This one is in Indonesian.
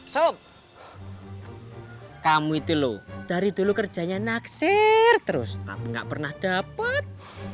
sop kamu itu loh dari dulu kerjanya naksir terus tapi gak pernah dapat